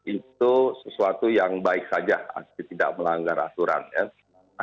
itu sesuatu yang baik saja tidak melanggar aturan ya